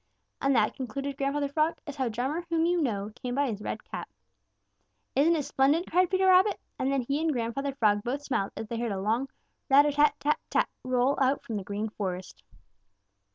"And that," concluded Grandfather Frog, "is how Drummer whom you know came by his red cap." "Isn't it splendid!" cried Peter Rabbit, and then he and Grandfather Frog both smiled as they heard a long rat a tat tat tat roll out from the Green Forest.